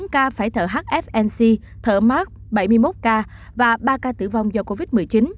một mươi bốn ca phải thở hfnc thở mark bảy mươi một ca và ba ca tử vong do covid một mươi chín